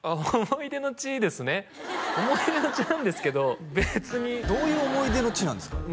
思い出の地なんですけど別にどういう思い出の地なんですか？